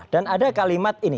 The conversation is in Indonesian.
dan ada kalimat ini